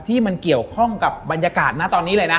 ที่มันเกี่ยวข้องกับบรรยากาศนะตอนนี้เลยนะ